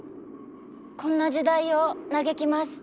こんな時代を嘆きます。